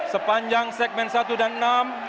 sepanjang segmen satu dan enam